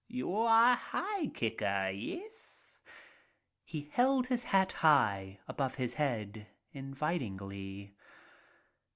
"You are a: high kicker, yes?" He held his hat high above his head, invitingly.